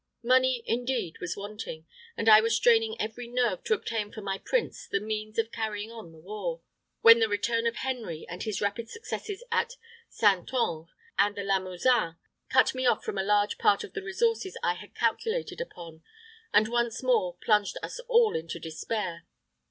Money, indeed, was wanting, and I was straining every nerve to obtain for my prince the means of carrying on the war, when the return of Henry, and his rapid successes in Saintonge and the Limousin cut me off from a large part of the resources I had calculated upon, and once more plunged us all into despair.